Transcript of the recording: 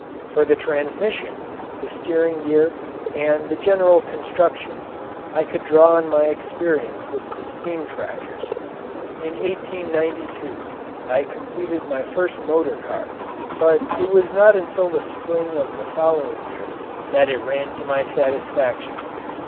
For the transmission, the steering gear, and the general construction, I could draw on my experience with the steam tractors. In 1892 I completed my first motor car, but it was not until the spring of the following year that it ran to my satisfaction.